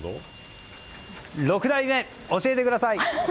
６代目、教えてください！